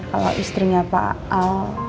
kalau istrinya pak al